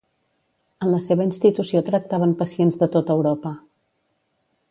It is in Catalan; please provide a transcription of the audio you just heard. En la seva institució tractaven pacients de tot Europa.